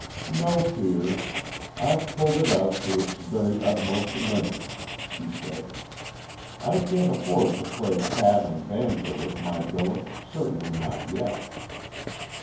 "No fear. I've pulled it out to its very utmost limits," she said. "I can't afford to play cat and banjo with my billet certainly not yet."